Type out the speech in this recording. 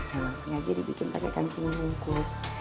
langsing aja dibikin pake kancing bungkus